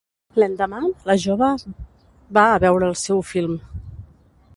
L'endemà, la jove va a veure el seu film.